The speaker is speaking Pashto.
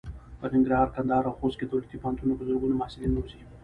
په ننګرهار، کندهار او خوست کې دولتي پوهنتونونه په زرګونو محصلین روزي.